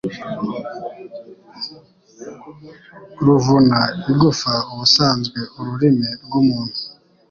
ruvuna igufa ubusanzwe ururimi rw’umuntu